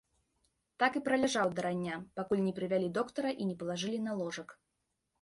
Так і праляжаў да рання, пакуль не прывялі доктара і не палажылі на ложак.